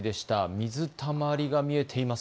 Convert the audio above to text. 水たまりが見えています。